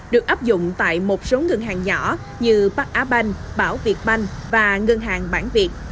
được áp dụng tại một số ngân hàng nhỏ như bắc á banh bảo việt banh và ngân hàng bản việt